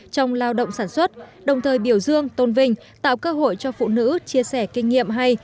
trong lao động sản xuất đồng thời biểu dương tôn vinh tạo cơ hội cho phụ nữ chia sẻ kinh nghiệm hay